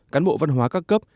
cán bộ văn hóa ca cấp